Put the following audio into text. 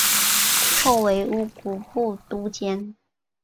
后为乌古部都监。